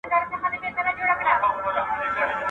د ښاره ووزه، د نرخه ئې مه وزه.